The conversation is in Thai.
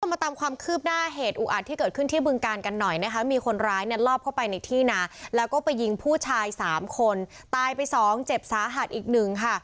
มาตามความคืบหน้าเหตุอุอัดที่เกิดขึ้นที่บึงการกันหน่อยนะคะมีคนร้ายเนี่ยลอบเข้าไปในที่นาแล้วก็ไปยิงผู้ชายสามคนตายไปสองเจ็บสาหัสอีกหนึ่งค่ะ